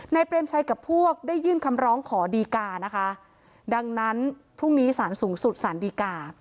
เปรมชัยกับพวกได้ยื่นคำร้องขอดีกานะคะดังนั้นพรุ่งนี้สารสูงสุดสารดีกา